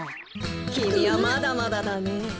きみはまだまだだねえ。えっ？